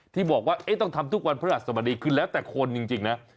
ที่บอกว่าต้องทำทุกวันพระหัสบดีขึ้นแล้วแต่คนจริงนะ